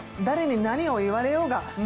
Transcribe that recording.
誰に何を言われようが。